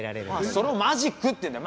それをマジックっていうんだよ。